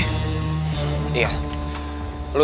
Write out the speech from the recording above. lu terlibat sama black ops